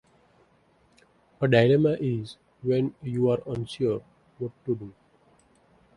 A dilemma is when you are unsure what to do.